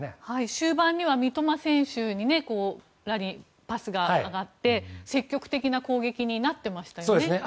終盤には三笘選手に裏にパスが上がって積極的な攻撃になっていましたよね。